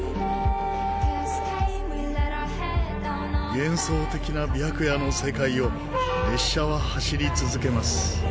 幻想的な白夜の世界を列車は走り続けます。